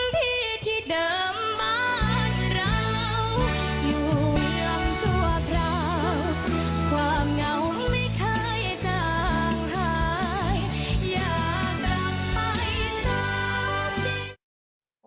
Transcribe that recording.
ความเหงาไม่เคยจางหายอย่ากลับไปตามที่